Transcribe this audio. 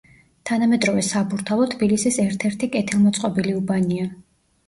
თანამედროვე საბურთალო თბილისის ერთ-ერთი კეთილმოწყობილი უბანია.